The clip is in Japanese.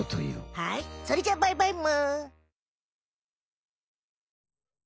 はいそれじゃバイバイむ！